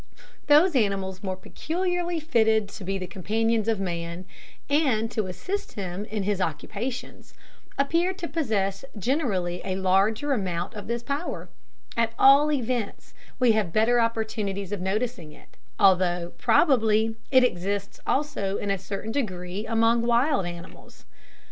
Those animals more peculiarly fitted to be the companions of man, and to assist him in his occupations, appear to possess generally a larger amount of this power; at all events, we have better opportunities of noticing it, although, probably, it exists also in a certain degree among wild animals.